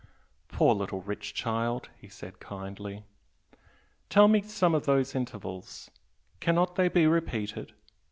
"Poor little rich child!" he said, kindly "Tell me some of those 'intervals'! Cannot they be repeated?